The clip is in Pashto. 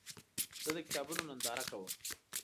زه د کتابونو ننداره کوم.